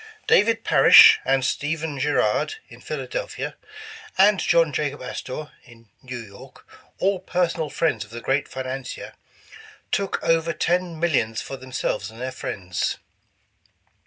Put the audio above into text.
'' David Parish and Stephen Girard in Philadelphia, and John Jacob Astor in New York, all personal friends of the great financier, "took over ten millions for them selves and their friends.